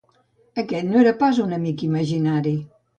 Aquell no era pas un amic imaginari.